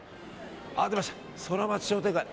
出ました、ソラマチ商店街。